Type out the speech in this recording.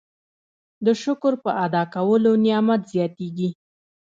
د شکر په ادا کولو نعمت زیاتیږي.